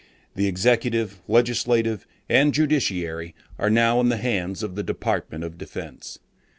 The executive, legislative, and judiciary are now in the hands of the Department of Defense.